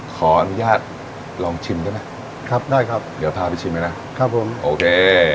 ขออนุญาตลองชิมได้ไหมครับได้ครับเดี๋ยวพาไปชิมเลยนะครับผมโอเค